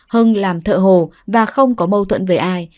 hưng làm thợ hồ và không có mâu thuẫn với ai